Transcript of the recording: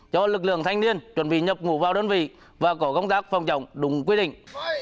cho lực lượng thanh niên chuẩn bị nhập ngũ vào đơn vị và có công tác phòng chống đúng quy định